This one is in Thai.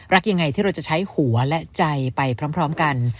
รักอย่างไรที่เราจะใช้หัวและใจไปพร้อมพร้อมกัน